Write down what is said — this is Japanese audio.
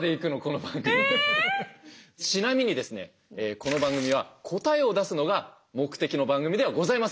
この番組は答えを出すのが目的の番組ではございません。